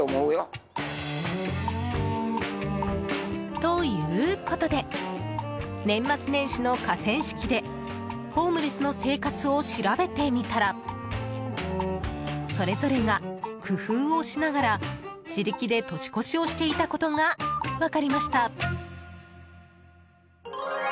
ということで年末年始の河川敷でホームレスの生活を調べてみたらそれぞれが工夫をしながら自力で年越しをしていたことが分かりました。